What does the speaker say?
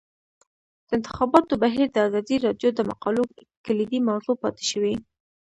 د انتخاباتو بهیر د ازادي راډیو د مقالو کلیدي موضوع پاتې شوی.